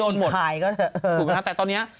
ก็ได้แล้วแต่ตอนนี้